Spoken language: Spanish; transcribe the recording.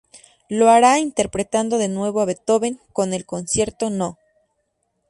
Lo hará interpretando de nuevo a Beethoven, con el Concierto No.